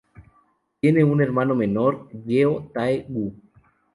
Tiene un hermano menor, Yeo Tae-gu.